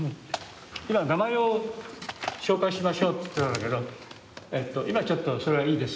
今名前を紹介しましょうって言ってたんだけど今ちょっとそれはいいです。